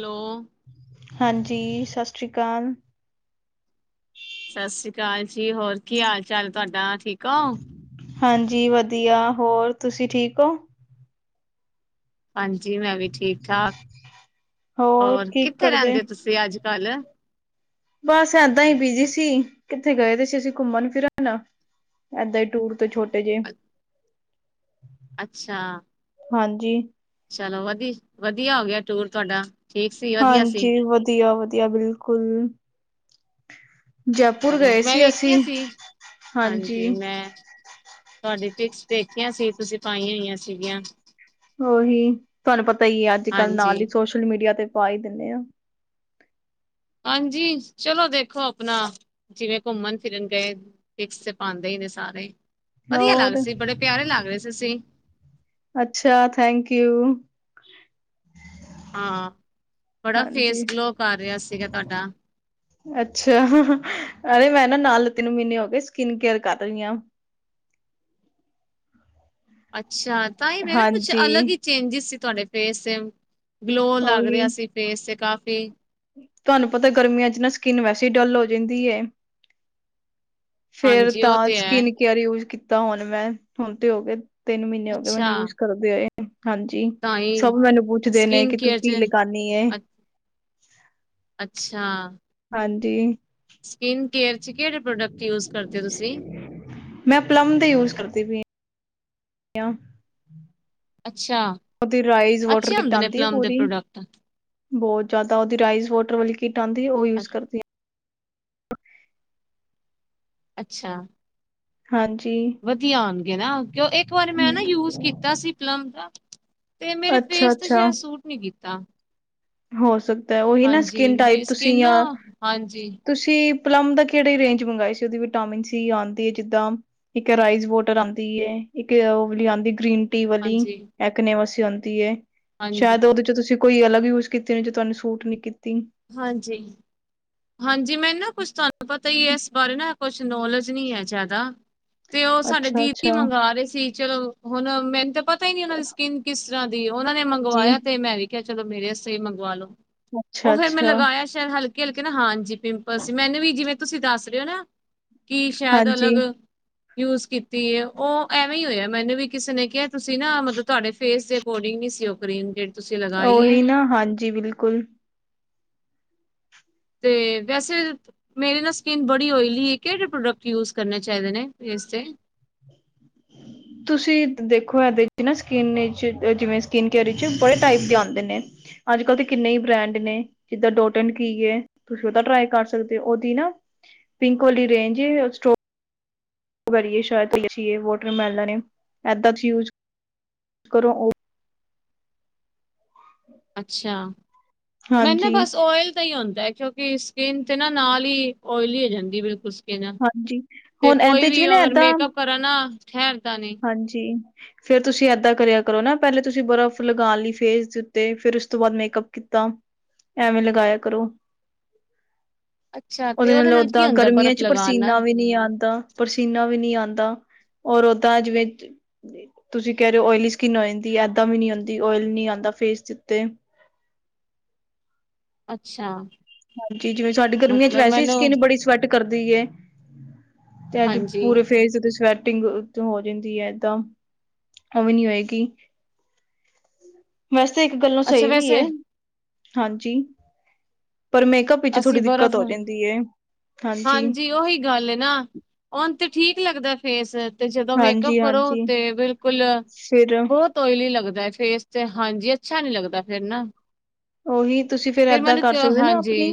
Hello ਹਾਂਜੀ ਸਤਿ ਸ੍ਰੀ ਕਾਲ ਸ ਸ੍ਰੀ ਕਾਲ ਜੀ ਹੋਰ ਕੀ ਹਾਲ ਚਾਲ ਤੁਹਾਡਾ ਠੀਕ ਹੋ ਹਾਂਜੀ ਵਧੀਆ ਹੋਰ ਤੁਸੀਂ ਠੀਕ ਹੋ ਹਾਂਜੀ ਮੈਂ ਵੀ ਠੀਕ ਠਾਕ ਹੋਰ ਕੀ ਕਿੱਥੇ ਕਰਦੇ ਰਹਿੰਦੇ ਤੁਸੀਂ ਅੱਜ ਕੱਲ ਬਸ ਏਦਾਂ ਹੀ ਬੀਜੀ ਸੀ ਕਿੱਥੇ ਗਏ ਤੇ ਸੀ ਅਸੀਂ ਘੁੰਮਣ ਫਿਰਨ ਏਦਾਂ ਹੀ ਟੂਰ ਤੋਂ ਛੋਟੇ ਜਿਹੇ ਅੱਛਾ ਹਾਂਜੀ ਚਲੋ ਵਧੀ ਵਧੀਆ ਹੋ ਗਿਆ ਟੂਰ ਤੁਹਾਡਾ ਠੀਕ ਸੀ ਵਧੀਆ ਸੀ ਹਾਂਜੀ ਵਧੀਆ ਵਧੀਆ ਬਿਲਕੁਲ ਜੈਪੁਰ ਚਲੋ ਗਏ ਮੈਂ ਸੀ ਵੇਖੀਆਂ ਅਸੀਂ ਸੀ ਹਾਂਜੀ ਤੁਹਾਡੀ ਪਿਕਸ ਦੇਖੀਆਂ ਸੀ ਤੁਸੀਂ ਪਾਈਆਂ ਹੋਈਆਂ ਸੀਗੀਆਂ ਉਹੀ ਤੁਹਾਨੂੰ ਪਤਾ ਹੀ ਹੈ ਅੱਜ ਕੱਲ੍ਹ ਨਾਲ ਹਾਂਜੀ ਹੀ ਸੋਸ਼ਲ ਮੀਡੀਆ ਤੇ ਪਾ ਹੀ ਦਿੰਨੇ ਆਂ ਹਾਂਜੀ ਚਲੋ ਦੇਖੋ ਆਪਣਾ ਜਿਵੇਂ ਘੁੰਮਣ ਫਿਰਨ ਪਿਕਸ ਤੇ ਪਾਂਦੇ ਹੀ ਨੇ ਸਾਰੇ ਵਧੀਆ ਲੱਗ ਹੋਰ ਸੀ ਬੜੇ ਪਿਆਰੇ ਲੱਗ ਰਹੇ ਸੀ ਤੁਸੀਂ ਅੱਛਾ ਥੈਂਕ ਯੂ ਹਾਂ ਬੜਾ ਹਾਂਜੀ ਫੇਸ ਗਲੋ ਕਰ ਰਿਹਾ ਸੀਗਾ ਤੁਹਾਡਾ ਅੱਛਾ ਅਰੇ ਮੈਂ ਨਾ ਨਾਲ ਤਿੰਨ ਮਹੀਨੇ ਹੋ ਗੇ ਸਕਿਨ ਕੇਅਰ ਕਰ ਰਹੀ ਹਾਂ ਅੱਛਾ ਤਾਂ ਹੀ ਮੇ ਨਾ ਕੁਛ ਅਲੱਗ ਹਾਂਜੀ, ਹੀ ਚੇਂਜਿਸ ਸੀ ਤੁਹਾਡੇ ਫੇਸ ਤੇ ਗਲੋ ਲੱਗ ਉਹੀ ਰਿਹਾ ਸੀ ਫੇਸ ਤੇ ਕਾਫੀ ਤੁਹਾਨੂੰ ਪਤਾ ਗਰਮੀਆਂ ਚ ਨਾ ਸਕਿੰਨ ਵੈਸੇ ਹੀ ਡੱਲ ਹੋ ਜਾਂਦੀ ਹੈ ਫੇਰ ਹਾਂਜੀ ਉਹ ਤਾਂ ਤੇ ਹੈ। ਸਕਿਨ ਕੇਅਰ ਯੂਜ ਕੀਤਾ ਹੁਣ ਮੈਂ ਹੁਣ ਤੇ ਹੋ ਗਏ ਤਿੰਨ ਮਹੀਨੇ ਹੋ ਗ ਅੱਛਾ ਮੈਨੂੰ ਯੂਜ ਕਰਦੇ ਆਏ ਹਾਂਜੀ ਤਾਂ ਸਭ ਹੀ ਮੈਨੂੰ ਪੁੱਛਦੇ ਨੇ ਸਕਿਨ ਕਿ ਤੂੰ ਕੇਅਰ ਚ ਕੀ ਲਗਾਨੀ ਐ ਅ- ਅੱਛਾ ਹਾਂਜੀ ਸਕਿੰਨ ਕੇਅਰ ਚ ਕਿਹੜੇ ਪ੍ਰੋਡਕਟ ਯੂਜ ਕਰਦੇ ਹੋ ਤੁਸੀਂ ਮੈਂ ਪਲਮ ਦਾ ਯੂਜ ਕਰਦੀ ਪਈ ਆਂ ਅੱਛਾ ਓਦੀ ਰਾਈਜ਼ ਵਾਟਰ ਅੱਛੇ ਕਿੱਟ ਹੁੰਦੇ ਨੇ ਆਉਂਦੀ ਹੈ ਪਲਮ ਦੇ ਪੂਰੀ ਪ੍ਰੋਡਕਟ ਬਹੁਤ ਜਿਆਦਾ ਉਹਦੀ ਰਾਈਸ ਵੋਟਰ ਵਾਲੀ ਕਿੱਟ ਆਂਦੀ ਉਹ ਯੂਜ ਅੱਛ- ਕਰਦੀ ਅੱਛਾ ਹਾਂਜੀ ਵਧੀਆ ਆਣਗੇ ਨਾ ਕਿ ਇੱਕ ਵਾਰੀ ਮੈਂ ਨਾ ਯੂਜ ਕੀਤਾ ਸੀ ਪਲਮ ਦਾ ਤੇ ਮੇਰੇ ਫੇਸ ਤੇ ਅੱਛਾ-ਅੱਛਾ ਜਿਹਾ ਸੂਟ ਨਹੀਂ ਕੀਤਾ ਹੋ ਸਕਦਾ ਉਹੀ ਨਾ ਹਾਂਜੀ ਸਕਿਨ ਟਾਈਪ ਮੇਰੀ ਤੁਸੀਂ ਸਕਿਨ ਨਾ ਯਾਂ ਹਾਂਜੀ ਤੁਸੀਂ ਪਲਮ ਦਾ ਕਿਹੜੇ ਰੇਂਜ ਮੰਗਵਾਏ ਸੀ ਉਹਦੀ ਵਿਟਾਮਿਨ ਸੀ ਆਂਦੀ ਹੈ ਜਿੱਦਾਂ ਇੱਕ ਰਾਈਸ ਵੋਟਰ ਆਉਂਦੀ ਏ ਇੱਕ ਉਹਓਲੀ ਆਉਂਦੀ ਗ੍ਰੀਨ ਟੀ ਵਾਲੀ ਹਾਂਜੀ, ਇੱਕ ਨਵਾਸੀ ਆਉਂਦੀਏ ਸ਼ਾਇਦ ਹਾਂਜੀ, ਉਹਦੇ ਚ ਤੁਸੀਂ ਕੋਈ ਅਲੱਗ ਯੂਜ਼ ਕਿਤੇ ਜੇ ਤੁਹਾਨੇ, ਸੂਟ ਨੀ ਕੀਤੀ। ਹਾਂਜੀ। ਹਾਂਜੀ, ਮੈਨੂੰ ਨਾ ਕੁਛ, ਤੁਹਾਨੂੰ ਪਤਾ ਹੀ ਹੈ। ਇਸ ਬਾਰੇ ਨਾ, ਕੁਛ ਨੌਲੇਜ ਨਹੀਂ ਹੈ ਜ਼ਿਆਦਾ। ਤੇ ਉਹ ਸਾਡੇ, ਅੱਛਾ ਦੀਦੀ ਅੱਛਾ ਮੰਗਵਾ ਰਹੇ ਸੀ। ਚਲੋ ਹੁਣ ਮੈਨੂੰ ਤਾਂ ਪਤਾ। ਪਤਾ ਹੀ ਨੀ ਉਹਨਾਂ ਦੀ ਸਕਿਨ ਕਿਸ ਤਰਾਂ, ਦੀ ਏ। ਉਹਨਾਂ ਨੇ ਜੀ ਮੰਗਵਾਇਆ, ਤੇ ਮੈਂ ਵੀ, ਕਿਹਾ ਚਲੋ ਮੇਰੇ ਆਸਤੇ ਵੀ, ਮੰਗਵਾ ਲੋ। ਉਹ ਅੱਛਾ ਫੇਰ ਮੈਂ, ਅੱਛਾ ਲਗਾਇਆ ਸ਼ਾਇਦ, ਹਲਕੇ- ਹਲਕੇ, ਨਾ ਹਾਂਜੀ। ਪਿੰਪਲ ਸੀ। ਮੈਨੂੰ ਵੀ ਜਿਵੇਂ, ਤੁਸੀਂ ਦੱਸ ਰਹੇ ਹੋ ਨਾ। ਕਿ ਸ਼ਾਇਦ ਅਲੱਗ। ਹਾਂਜੀ ਯੂਜ ਕੀਤੀ ਹੈ। ਉਹ ਐਵੇਂ ਹੀ ਹੋਇਆ। ਮੈਨੂੰ ਵੀ ਕਿਸੇ ਨੇ ਕਿਹਾ, ਤੁਸੀਂ ਨਾ ਮਤਲਬ ਤੁਹਾਡੇ ਫੇਸ ਦੇ ਅਕੋਰਿੰਗ, ਨੀ ਸੀ ਉਹ ਕਰੀਨ। ਉਹੀ ਨਾ, ਹਾਂਜੀ ਬਿਲਕੁਲ। ਤੇ ਵੈਸੇ, ਮੇਰੀ ਨਾ ਸਕਿਨ, ਬੜੀ ਓਇਲੀ ਕਿਹੜੇ ਪ੍ਰੋਡਕਟ, ਯੂਜ ਕਰਨੇ ਚਾਹੀਦੇ ਨੇ। ਫੇਸ ਤੇ ਤੁਸੀਂ ਦੇਖੋ, ਇਹਦੇ ਨਾ ਸਕਿਨ ਵਿੱਚ, ਜਿਵੇਂ ਸਕਿਨ ਕੇਅਰ ਵਿੱਚ, ਬੜੇ ਟਾਈਪ ਦੇ ਆਉਂਦੇ ਨੇ। ਅੱਜ ਕਲ ਤੇ, ਕਿੰਨੇ ਹੀ ਬ੍ਰੈਂਡ ਨੇ। ਜਿੱਦਾਂ ਡੋਟ ਐਨ ਕੀ, ਹੈ। ਤੁਸੀਂ ਉਹ ਤਾਂ, ਟਰਾਈ ਕਰ ਸਕਦੇ ਹੋ। ਉਹਦੀ ਨਾ ਪਿੰਕ ਵਾਲਲੀ ਰੇਂਜ ਏ। ਕਰੀਏ। ਸ਼ਾਇਰ ਚ ਲੀਚੀ ਏ, ਵਾਟਰ ਮੈਲਨ ਏਦਾਂ ਦੇ ਯੂਜ ਕਰੋ। ਅੱਛਾ। ਮੈਂ ਨਾ ਹਾਂਜੀ, ਬਸ ਓਇਲ। ਤਾਂ ਹੀ ਹੁੰਦਾ ਹੈ। ਕਿਉਂਕਿ ਸਕਿੰਨ ਤੇ ਨਾ, ਨਾਲ ਹੀ ਓਇਲੀ ਹੋ ਜਾਂਦੀ। ਨਾ ਹਾਂਜੀ ਤੇ ਹੁਣ ਕੋਈ ਇਹਦੇ ਚ ਵੀ, ਨਾ ਅਗਰ ਏਦਾਂ ਮੇਕਅਪ ਕਰਾਂ ਨਾ। ਠਹਿਰ ਦਾ ਨੀ। ਹਾਂਜੀ। ਫੇਰ ਤੁਸੀਂ ਇਏਦਾਂ, ਕਰਿਆ ਕਰੋ ਨਾ। ਪਹਿਲੇ ਤੁਸੀਂ ਬਰਫ਼ ਲਗਾ ਲਈ। ਫੇਸ ਦੇ ਉੱਤੇ, ਫੇਰ ਉਸ ਤੋਂ ਬਾਅਦ ਮੇਕਅੱਪ ਕੀਤਾ। ਐਵੇਂ, ਲਗਾਇਆ ਕਰੋ। [inaudible] ਅੱਛਾ ਤੇ ਉਹਦੇ ਨਾਲ ਕੀ ਓਦਾਂ, ਹੁੰਦਾ ਗਰਮੀਆਂ ਬਰਫ਼ ਚ, ਲਗਾਉਣ ਪਸੀਨਾ ਨਾਲ ਵੀ ਨਹੀਂ ਆਉਂਦਾ। ਪਸੀਨਾ ਵੀ, ਨਹੀਂ ਆਉਂਦਾ। ਔਰ ਓਦਾਂ ਜਿਵੇਂ ਤੁਸੀਂ ਕਹਿ ਰਹੇ ਹੋ। ਓਇਲੀ ਸਕਿੰਨ ਹੋ ਜਾਂਦੀ ਏ। ਤਾਂ ਵੀ ਨੀ ਆਉਂਦੀ, ਓਇਲ ਨੀ ਆਉਂਦਾ, ਫੇਸ ਦੇ ਉੱਤੇ। ਅੱਛਾ। ਹਾਂਜੀ, ਜਿਵੇਂ ਸਾਡੇ ਗਰਮੀਆਂ ਚ, ਮਤਲਬ ਵੈਸੇ ਹੀ ਮੈਨੂੰ ਸਕਿੰਨ ਬੜੀ ਸਵੈਟ ਕਰਦੀ ਹੈ। ਤੇ ਅੱਜ ਹਾਂਜੀ ਪੂਰੇ ਫੇਸ ਤੇ ਸਵੈਟਿੰਗ ਹੋ ਜਾਂਦੀ ਹੈ। ਇਏਦਾਂ ਉਹ ਵੀ, ਨੀ ਹੋਏਗੀ। ਵੈਸੇ ਇੱਕ, ਗੱਲੋਂ ਅੱਛਾ ਸਹੀ ਵੀ ਵੈਸੇ ਹੈ। ਹਾਂਜੀ, ਪਰ ਮੇਕਅਪ ਵਿੱਚ ਥੋੜੀ, ਅਸੀਂ ਦਿੱਕਤ ਬਰਫ਼ ਹੋ ਜਾਂਦੀ ਹੈ। ਹਾਂਜੀ, ਉਹੀ ਗੱਲ ਹੈ। ਨਾ ਉਹਨ ਤੇ, ਠੀਕ ਲੱਗਦਾ ਫੇਸ। ਤੇ ਜਦੋਂ, ਮੇਕਅੱਪ ਹਾਂਜੀ ਕਰੋ ਹਾਂਜੀ ਤੇ, ਬਿਲਕੁਲ ਫਿਰ ਬਹੁਤ। ਤੋਇਲੀ ਲੱਗਦਾ, ਫੇਸ ਤੇ। ਹਾਂਜੀ, ਅੱਛਾ ਨੀ ਲੱਗਦਾ ਫੇਰ ਨਾ। ਉਹੀ ਤੁਸੀਂ, ਫੇਰ ਏਦਾਂ ਮੈਨੂੰ ਕਰ ਕਿਉਂ ਸਕਦੇ ਹੋ ਨਾ ਹਾਂਜੀ ਆਪਣੀ।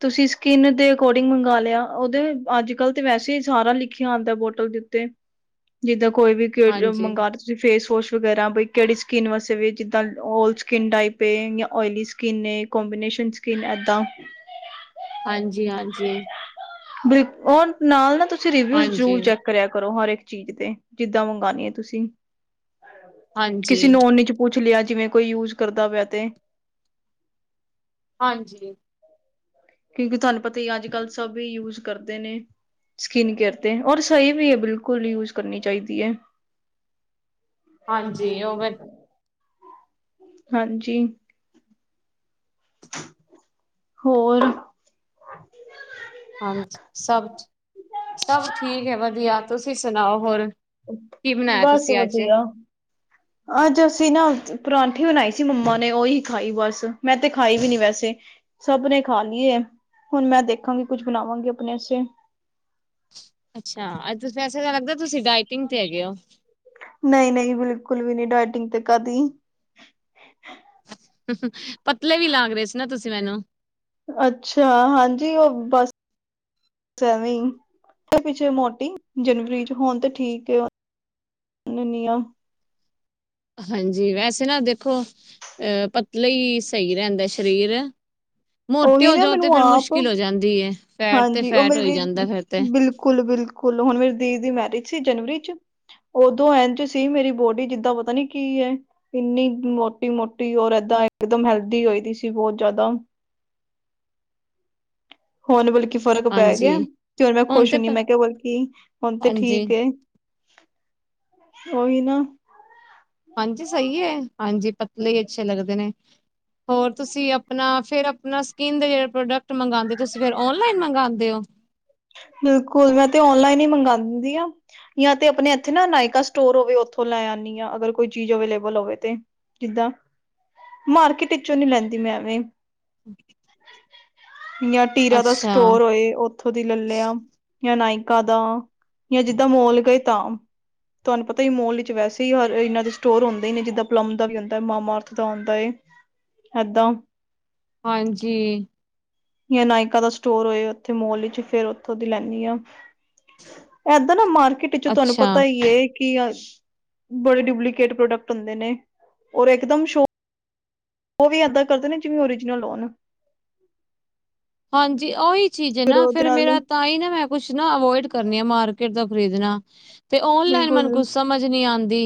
ਤੁਸੀਂ ਸਕਿੰਨ ਦੇ, ਅਕੋਰਡਿੰਗ ਮੰਗਵਾ ਲਿਆ। ਉਹਦੇ ਅੱਜ ਕੱਲ, ਤੇ ਵੈਸੇ ਹੀ, ਸਾਰਾ ਲਿਖਿਆ ਆਉਂਦਾ ਬੋਟਲ। ਤੇ ਜਿੱਦਾਂ, ਕੋਈ ਵੀ ਹਾਂਜੀ ਮੰਗਾ। ਤੁਸੀਂ ਫੇਸ ਵੋਸ਼ ਵਗੈਰਾ, ਬਈ ਕਿਹੜੀ ਸਕਿੰਨ ਵਾਸਤੇ, ਵੀ ਜਿੱਦਾਂ ਔਲ ਸਕਿਨ, ਟਾਈਪ ਹੈ। ਜਾਂ। ਓਇਲੀ ਸਕਿਨ ਏ। ਕਬੀਨੇਸ਼ਨ ਸਕਿੰਨ ਏਦਾਂ ਹਾਂਜੀ- ਹਾਂਜੀ। ਬ ਉਹ ਨਾਲ ਨਾ, ਤੁਸੀਂ ਰਿਵਿਊ ਜ਼ਰੂਰ ਹਾਂਜੀ ਚੈੱਕ ਕਰਿਆ ਕਰੋ। ਹਰ ਇੱਕ ਚੀਜ਼ ਤੇ, ਜਿੱਦਾਂ ਮੰਗਉਣੀ ਹੈ ਤੁਸੀਂ। ਕਿਸੇ ਹਾਂਜੀ ਨੂੰਨ ਚ ਪੁੱਛ ਲਿਆ। ਜਿਵੇਂ ਕੋਈ ਯੂਜ, ਕਰਦਾ ਪਿਆ ਤੇ। ਹਾਂਜੀ। ਕਿਉਂਕਿ ਤੁਹਾਨੂੰ ਪਤਾ ਹੀ ਹੈ। ਅੱਜ ਕੱਲ ਸਭ ਯੂਜ ਕਰਦੇ ਨੇ। ਸਕਿੰਨ ਕੇਅਰ ਤੇ। ਔਰ ਸਹੀ ਵੀ ਹੈ। ਬਿਲਕੁਲ ਯੂਜ ਕਰਨੀ ਚਾਹੀਦੀ ਹੈ। ਹਾਂਜੀ ਉਹ ਹਾਂਜੀ, ਹੋਰ ਹਾਂਜ ਸਭ ਸਭ ਠੀਕ ਹੈ ਵਧੀਆ ਤੁਸੀਂ ਸੁਣਾਓ ਹੋਰ ਕੀ ਬਣਾਇਆ ਬਸ ਤੁਸੀਂ ਅੱਜ ਵਧੀਆ ਅੱਜ ਅਸੀਂ ਨਾ ਪਰਾਂਠੀ ਬਣਾਈ ਸੀ ਮੰਮਾ ਨੇ ਉਹੀ ਖਾਈ ਬਸ ਮੈਂ ਤੇ ਖਾਈ ਵੀ ਨੀ ਵੈਸੇ। ਸਭ ਨੇ ਖਾ ਲਈਏ। ਹੁਣ ਮੈਂ ਦੇਖਾਂਗੀ, ਕੁਛ ਬਣਾਵਾਂਗੀ ਆਪਣੇੇ ਆਸਤੇ। ਅੱਛਾ। ਵੈਸੇ ਤਾਂ ਲੱਗਦਾ ਤੁਸੀਂ ਡਾਇਟਿੰਗ ਤੇ ਹੈਗੇ ਹੋ। ਨਹੀਂ ਨਹੀਂ ਬਿਲਕੁਲ ਵੀ ਨਹੀਂ ਡਾਇਟਿੰਗ ਤੇ ਕਾਦੀ ਪਤਲੇ ਵੀ ਲਾਗ ਰਹੇ ਸੀ ਨਾ ਤੁਸੀਂ ਮੈਨੂੰ ਅੱਛਾ ਹਾਂਜੀ ਉਹ ਬਸ ਸ ਐਵੇਂ ਈ ਪਿੱਛੇ ਮੋਟੀ ਜਨਵਰੀ ਚ ਹੋਣ ਤੇ ਠੀਕ ਏ ਨ ਨੀਆਂ [unintelligible] ਹਾਂਜੀ ਵੈਸੇ ਨਾ ਦੇਖੋ ਅ ਪਤਲੇ ਹੀ ਸਹੀ ਰਹਿੰਦਾ ਸਰੀਰ ਮੋਟੇ ਉਹੀ ਹੋ ਨਾ ਜਾਓ ਤੇ ਮੈਨੂੰ ਫੇਰ ਆਪ ਮੁਸ਼ਕਿਲ ਹੋ ਜਾਂਦੀ ਹੈ ਫੈਟ ਤੇ ਹਾਂਜੀ ਉਹ ਫੈਟ ਹੋਈ ਮੇਰੀ ਜਾਂਦਾ ਫਿਰ ਤੇ ਬਿਲਕੁਲ ਬਿਲਕੁ ਕੁਲ ਹੁਣ ਮੇਰੀ ਦੀ ਦੀ ਮੈਰਿਜ ਸੀ ਜਨਵਰੀ ਚ ਉਦੋਂ ਐਂਝ ਸੀ ਮੇਰੀ ਬੋਡੀ ਜਿੱਦਾਂ ਪਤਾ ਨੀ ਕੀ ਐ ਇੰਨੀ ਮੋਟੀ ਮੋਟੀ ਔਰ ਇਏਦਾਂ ਇਕਦਮ ਹੈਲਦੀ ਹੋਈ ਦੀ ਸੀ ਬਹੁਤ ਜਿਆਦਾ ਹੁਣ ਬਲਕਿ ਫ਼ਰਕ ਪੈ ਹਾਂਜੀ ਗਿਆ ਤੇ ਹੁਣ ਮੈਂ ਖੁਸ਼ ਤੇ ਹੁੰਨੀ ਪ- ਮੈਂ ਕਿਹਾ ਬਲਕਿ ਹੁਣ ਤੇ ਹਾਂਜੀ ਠੀਕ ਏ ਓਹੀ ਨਾ ਹਾਂਜੀ ਸਹੀ ਹੈ ਹਾਂਜੀ ਪਤਲੇ ਹੀ ਅੱਛੇ ਲੱਗਦੇ ਨੇ ਹੋਰ ਤੁਸੀਂ ਆਪਣਾ ਫਿਰ ਆਪਣਾ ਸਕਿੰਨ ਦੇ ਜਿਹੜੇ ਪ੍ਰੋਡਕਟ ਮੰਗਾਂਦੇ ਓ ਤੁਸੀਂ ਫਿਰ ਔਨਲਾਈਨ ਮਗਾਂਦੇ ਓ ਬਿਲਕੁਲ ਮੈਂ ਤੇ ਓਨਲਾਈਨ ਹੀ ਮੰਗਾਦੀ ਆਂ ਯਾਂ ਤੇ ਆਪਣੇ ਇੱਥੇ ਨਾ ਨਾਇਕਾ ਸਟੋਰ ਹੋਵੇ ਉੱਥੋਂ ਲੈ ਆਂਨੀ ਆ ਅਗਰ ਕੋਈ ਚੀਜ਼ ਅਵੇਲੇਬਲ ਹੋਵੇ ਤੇ ਜਿੱਦਾਂ ਮਾਰਕੀਟ ਵਿਚੋਂ ਨੀ ਲੈਂਦੀ ਮੈਂ ਐਵੇਂ ਜ ਟੀਰਾ ਦਾ ਅੱਛਾ ਸਟੋਰ ਹੋਏ ਉੱਥੋਂ ਦੀ ਲ ਲਿਆ ਜਾਂ ਨਾਇਕਾ ਦਾ ਜਾਂ ਜਿੱਦਾਂ ਮੋਲ ਗਏ ਤਾਂ ਤੁਹਾਨੂੰ ਪਤਾ ਹੀ ਮੋਲ ਵਿੱਚ ਵੈਸੇ ਹੀ ਹਰ ਇਹਨਾਂ ਦੇ ਸਟੋਰ ਹੁੰਦੇ ਹੀ ਨੇ ਜਿੱਦਾਂ ਪਲਮ ਦਾ ਵੀ ਹੁੰਦਾ ਹੈ ਮਾਮਾਅਰਥ ਦਾ ਹੁੰਦਾ ਏ ਹੈਦੋਂ [unintelligible] ਹਾਂਜੀ ਯਾਂ ਨਾਇਕਾ ਦਾ ਸਟੋਰ ਹੋਏ ਉੱਥੇ ਮੋਲ ਵਿੱਚ ਫੇਰ ਉੱਥੋਂ ਦੀ ਲੈਂਨੀ ਆਂ ਐਦਾਂ ਨਾ ਮਾਰਕੀਟ ਚ ਤੁਹਾਨੂੰ ਅੱਛਾ ਪਤਾ ਹੀ ਹੈ ਕਿ ਅਸ਼ ਬੜੇ ਡੁਪਲੀਕੇਟ ਪ੍ਰੋਡਕਟ ਹੁੰਦੇ ਨੇ ਔਰ ਇੱਕ ਦਮ ਸ਼ੋ ਉਹ ਵੀ ਇੱਦਾਂ ਕਰਦੇ ਨੇ ਜਿਵੇਂ ਓਰੀਜਨਲ ਹੋਨ ਹਾਂਜੀ ਉਹੀ ਚੀਜ਼ ਹੈ ਫਿਰ ਨਾ ਉਹਦੇ ਫੇਰ ਨਾਲ ਮੇਰਾ ਤਾਂ ਹੀ ਨਾ ਮੈਂ ਕੁਛ ਨਾ ਅਵੋਇਡ ਕਰਨੀ ਆ ਮਾਰਕੀਟ ਦਾ ਖਰੀਦਣਾ ਤੇ ਓਨਲਾਈਨ ਬਿਲਕੁਲ ਮੈਨੂੰ ਕੁਛ ਸਮਝ ਨੀ ਆਂਦੀ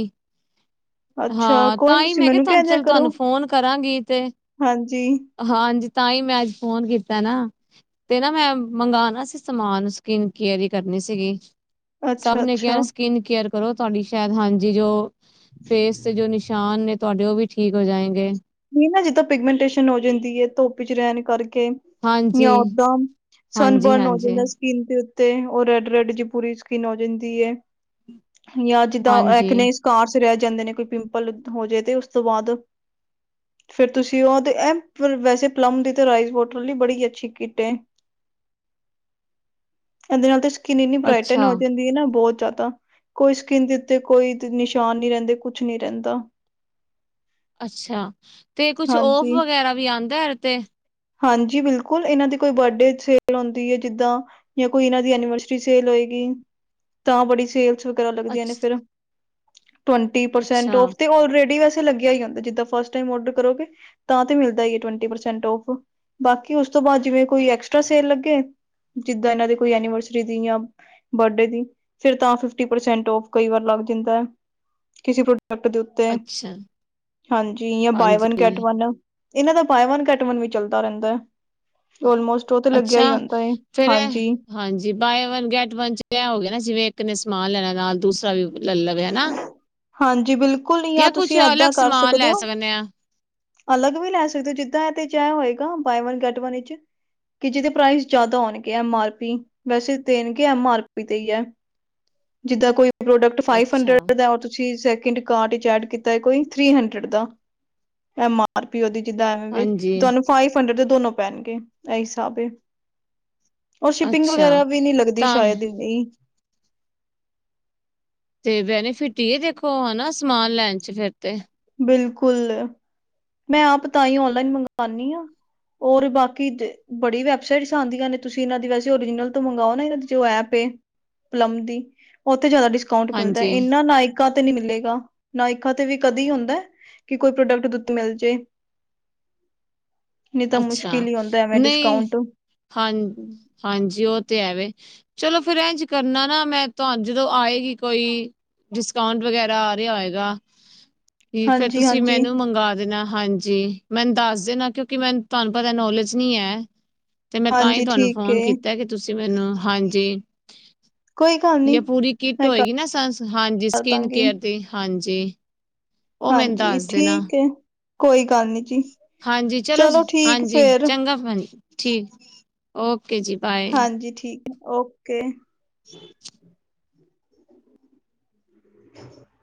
ਅੱਛਾ ਹਾਂ ਕੋਈ ਤਾਂ ਨੀ ਹੀ ਤੁਸੀਂ ਮੈਂ ਕਿਹਾ ਮੈਨੂੰ ਕਹਿ ਤੁਹਾਨੂੰ ਦਿਆ ਚੱਲ ਕਰੋ ਤੁਹਾਨੂੰ ਫੋਨ ਕਰਾਂਗੀ ਤੇ ਹਾਂਜੀ ਹਾਂਜੀ ਤਾਂ ਹੀ ਮੈਂ ਅੱਜ ਫੋਨ ਕੀ ਨਾ ਤੇ ਨਾ ਮੈਂ ਮੰਗਵਾਉਣਾ ਸੀ ਸਮਾਨ ਸਕੀਨਕਅਰੀ ਕਰਨੀ ਸੀਗੀ ਸਭ ਨੇ ਕਿਹਾ ਅੱਛਾ-ਅੱਛਾ ਸਕਿਨ ਕੇਅਰ ਕਰੋ ਤੁਹਾਡੀ ਸ਼ਾਇਦ ਹਾਂਜੀ ਜੋ ਫੇਸ ਤੇ ਜੋ ਨਿਸ਼ਾਨ ਨੇ ਤੁਹਾਡੇ ਉਹ ਵੀ ਠੀਕ ਹੋ ਜਾਏਗੇ ਨਹੀਂ ਨਾ ਜਿੱਦੋਂ ਪਿਗਮੈਂਟੇਸ਼ਨ ਹੋ ਜਾਂਦੀ ਹੈ ਧੋੱਪੀ ਚ ਰਹਿਣ ਕਰਕੇ ਹਾਂਜੀ ਯਾਂ ਓਦਾਂ ਹਾਂਜੀ ਸਨਬਰਨ ਹੋ ਹਾਂਜੀ ਜਾਂਦਾ ਸਕਿਨ ਦੇ ਤੇ ਉਹ ਰੈਡ ਰੈਡ ਜੀ ਪੂਰੀ ਸਕਿਨ ਹੋ ਜਾਂਦੀ ਹੈ ਜਾਂ ਜਿੱਦਾਂ ਹਾਂਜੀ ਐਕਨੇ ਕਾਰਸ ਰਹਿ ਜਾਂਦੇ ਨੇ ਕੋਈ ਪਿੰਪਲ ਹੋ ਜੇ ਤੇ ਉਸ ਤੋਂ ਬਾਅਦ ਫੇਰ ਤੁਸੀਂ ਉਹ ਤੇ ਐ ਵੈਸੇ ਪਲਮ ਦੀ ਤੇ ਰਾਈਸ ਬੋਟਲ ਲਈ ਬੜੀ ਅੱਛੀ ਕਿੱਟ ਐ [inaudible] ਐਹਦੇ ਨਾਲ ਤੇ ਸਕਿਨ ਇੰਨੀ ਬਰਾਈਟਨ ਅੱਛਾ ਹੋ ਜਾਂ ਹੁੰਦੀ ਹੈ ਨਾ ਬਹੁਤ ਜ਼ਿਆਦਾ ਕੋਈ ਸਕਿੰਨ ਦੇ ਉੱਤੇ ਕੋਈ ਨਿਸ਼ਾਨ ਨੀ ਰਹਿੰਦੇ ਕੁਛ ਨੀ ਰਹਿੰਦਾ ਅੱਛਾ ਤੇ ਕੁਛ ਓਫ ਹਾਂਜੀ, ਵਗੈਰਾ ਵੀ ਆਉਂਦਾ ਯਾਰ ਤੇ ਹਾਂਜੀ ਬਿਲਕੁਲ ਇਹਨਾਂ ਦੀ ਕੋਈ ਬਰਡੇ ਸੇਲ ਆਉਂਦੀ ਹੈ ਜਿੱਦਾਂ ਜਾਂ ਕੋਈ ਇਹਨਾਂ ਦੀ ਐਨੀਵਰਸਰੀ ਸੇਲ ਹੋਏਗੀ ਤਾਂ ਬੜੀ ਸੇਲ ਚ ਲੱਗਆਂ ਨੇ ਅੱਛ ਫ ਅੱਛਾ ਟਵਸਰੇ ਵੈਸੇ ਲੱਗਿਆ ਜਾਂ ਜਿੱਦਾਂ ਫਸਟਮ ਓਡਰ ਕਰੋਗੇ ਤਾਂ ਮਿਲਦਾ ਟਵਟੀ ਪਰਸੈਂਟ ਔਫ ਬਾਕੀ ਉਸ ਤੋਂ ਬਾਅਦ ਜਿਵੇਂ ਕੋਈ ਐਕਸਟਰਾ ਸੇਲ ਲੱਗੇ ਜਿੱਦਾਂ ਇਹਨਾਂ ਦੇ ਕੋਈ ਐਨੀਵਰਸਰੀ ਦੀ ਯਾਂ ਬਰਡੇ ਦੀ ਫਿਰ ਤਾਂ ਫਿਫਟੀ ਪਰਸੈਂਟ ਫ ਕਈ ਵਾਰ ਲੱਗ ਜਾਂਦਾ ਹੈ ਕਿਸੇ ਪ੍ਰੋਡਕਟ ਦੇ ਉ ਤੇ ਅੱਛਾ ਹਾਂਜੀ ਬਾਏਵਨ ਕੈਟ ਹਾਂਜੀ ਵਨ ਇਹਨਾਂ ਦਾ ਬਾਏਵਨ ਕੈਟਵਨ ਵਿੱਚ। ਚੱਲਦਾ ਰਹਿੰਦਾ ਹੈ। ਔਲੋਮੋਸਟ ਉਹ ਤੇ ਲੱਗਿਆ ਹੀ ਅੱਛਾ ਜਾਂਦਾ ਹੈ ਫੇਰ ਇਹ ਹਾਂਜੀ। ਹਾਂਜੀ ਬਾਏ ਵਨ ਗੈਟ ਵਨ 'ਚ ਇਹ ਹੋ ਗਿਆ ਨਾ ਜਿਵੇਂ ਇੱਕ ਨੇ ਸਮਾਨ ਲੈਣਾ ਨਾਲ ਦੂਸਰਾ ਵੀ ਲੈ ਲਵੇ ਹਨਾ। ਹਾਂਜੀ ਬਿਲਕੁਲ ਹੀ ਆ ਜਾਂ ਕੁਛ ਤੁਸੀਂ ਅਲੱਗ ਏਦਾਂ ਕਰ ਸਮਾਨ ਸਕਦੇ ਲੈ ਹੋ। ਹਾਂ ਅਲੱਗ ਵੀ ਲੈ ਸਕਦੇ ਹੋ। ਜਿੱਦਾਂ ਇਹ ਦੇ 'ਚ ਇਹ ਹੋਏਗਾ ਬਾਏ ਵਨ ਗੈਟ ਵਨ ਵਿੱਚ। ਕਿ ਜਿਹਦੇ ਪ੍ਰਾਈਸ ਜ਼ਿਆਦਾ ਆਣਗੇ ਐਮ ਆਰ ਪੀ ਵੈਸੇ ਦੇਣਗੇ ਐਮ ਆਰ ਪੀ ਤੇ ਹੀ ਹੈ। ਜਿੱਦਾਂ ਕੋਈ ਪ੍ਰੋਡਕਟ। ਫਾਈਵ ਅੱਛਾ ਹੰਡਰਡ ਦਾ ਹੁਣ ਤੁਸੀਂ ਸੈਕਿੰਡ ਕਾਰਡ ਵਿੱਚ ਐਡ ਕੀਤਾ ਹੈ ਕੋਈ ਥ੍ਰਰੀ ਹੰਡਰਡ ਦਾ ਐਮ। ਆਰ ਪੀਓ ਦੀ ਜਿੱਦਾਂ ਐਵੇਂ ਹਾਂਜੀ ਤੁਹਾਨੂੰ ਫਾਈਵ ਹੰਡਰਡ ਦੇ ਦੋਨੋ ਪੈਣਗੇ ਇਹ ਹਿਸਾਬ ਹੈ। ਉਹ ਸ਼ਿਪਿੰਗ ਅੱਛਾ ਵਗੈਰਾ ਵੀ ਨਹੀਂ ਲੱਗਦੀ ਤਾਂ ਸ਼ਾਇਦ ਇਹੀ। ਤੇ ਬੈਨਿਫਿਟ ਆ ਦੇਖੋ ਹਨਾ ਸਮਾਨ ਲੈਣ 'ਚ ਫਿਰ ਤੇ। ਬਿਲਕੁਲ ਮੈਂ ਆਪ ਤਾਂ ਹੀ ਓਨਲਾਈਨ ਮੰਗਵਾਉਣੀ ਹਾਂ। ਔਰ ਬਾਕੀ ਬੜੀ ਵੈਬਸਾਈਟਸ ਆਉਂਦੀਆਂ ਨੇ ਤੁਸੀਂ ਇਹਨਾਂ ਦੀ ਵੈਸੇ ਓਰੀਜਨਲ ਤੋਂ ਮੰਗਓ ਨਾ ਇਹ ਦੀ ਜੋ ਐਪ। ਪਲਮ ਦੀ ਉੱਥੇ ਜ਼ਿਆਦਾ ਡਿਸਕਾਉਂਟ। ਡਿਸਕਾਉਂਟ ਮਿਲਦਾ ਹਾਂਜੀ ਹੈ। ਇਹਨਾ ਨਾਇਕਾ ਤੇ ਨੀ ਮਿਲੇਗਾ ਨਾਇਕਾ ਤੇ ਵੀ ਕਦੀ ਹੁੰਦਾ। ਕਿ ਕੋਈ ਪ੍ਰੋਡਕਟ ਦੁੱਧ ਮਿਲ ਜੇ। ਨਹੀਂ ਤਾਂ ਅੱਛਾ ਮੁਸ਼ਕਿਲ ਹੀ ਹੁੰਦਾ ਐਵੇਂ ਨਹੀਂ ਡਿਸਕਾਊਂਟ। ਹਾਂ ਹਾਂਜੀ ਉਹ ਤੇ ਐਵੇ। ਚਲੋ ਫੇਰ ਇੰਝ ਕਰਨਾ ਨਾ ਮੈਂ ਤੁਹਾਨੂੰ ਜਦੋਂ ਆਏਗੀ ਕੋਈ। ਡਿਸਕਾਊਂਟ ਵਗੈਰਾ ਆ ਰਿਹਾ ਹੋਏਗਾ ਕੀ ਫੇਰ ਹਾਂਜੀ, ਤੁਸੀਂ ਹਾਂਜੀ, ਮੈਨੂੰ ਮੰਗਵਾ ਦੇਣਾ। ਹਾਂਜੀ ਮੈਨੂੰ ਦੱਸ ਦੇਣਾ ਕਿਉਂਕਿ ਮੈਨੂੰ ਤੁਹਾਨੂੰ ਪਤਾ ਨੋਲੇਜ ਨਹੀਂ ਹੈ। ਤੇ ਮੈਂ ਤਾਂ ਹੀ ਹਾਂਜੀ ਤੁਹਾਨੂੰ ਠੀਕ ਫੋਨ ਏ ਕੀਤਾ ਕਿ ਤੁਸੀਂ ਮੈਨੂੰ ਹਾਂਜੀ। ਕੋਈ ਗੱਲ ਨੀ ਜਾਂ ਪੂਰੀ ਕਿੱਟ ਮੈਂ ਹੋਏਗੀ ਕਰ ਨਾ ਹਾਂਜੀ ਸਕਿਨ ਦਾਂਗੀ ਕੇਅਰ ਦੀ ਹਾਂਜੀ। ਉਹ ਮੈਨੂੰ ਹਾਂਜੀ ਦੱਸ ਦੇਣਾ ਠੀਕ ਹੈ ਕੋਈ ਗੱਲ ਨੀ ਜੀ ਹਾਂਜੀ ਚਲੋ ਠੀਕ ਹਾਂਜੀ ਫੇਰ। ਚੰਗਾ ਪਾਣੀ [unintelligible] ਠੀਕ। ਓਕੇ ਜੀ ਬਾਏ। ਹਾਂਜੀ ਠੀਕ ਹੈ ਓਕੇ। [inaudible]